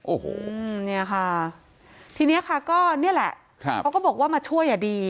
โอ้โหอืมเนี้ยค่ะทีเนี้ยค่ะก็เนี้ยแหละครับเขาก็บอกว่ามาช่วยอ่ะดี